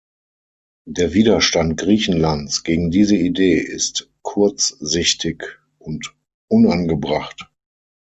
Der Widerstand Griechenlands gegen diese Idee ist kurzsichtig und unangebracht.